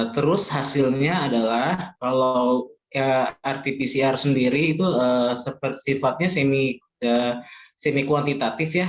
terus hasilnya adalah kalau rt pcr sendiri itu sifatnya semi kuantitatif ya